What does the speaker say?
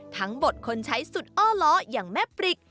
บทคนใช้สุดอ้อล้ออย่างแม่ปริก